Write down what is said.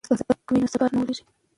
که سړک وي نو سفر نه اوږدیږي.